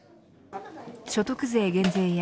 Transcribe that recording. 所得税減税や